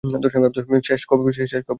শেষ কবে নেচেছ তুমি?